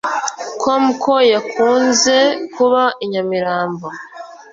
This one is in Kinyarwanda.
com ko yakunze kuba i Nyamirambo